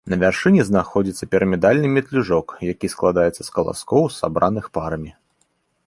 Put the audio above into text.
На вяршыні знаходзіцца пірамідальны метлюжок, які складаецца з каласкоў, сабраных парамі.